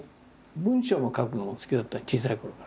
文章を書くのも好きだった小さいころから。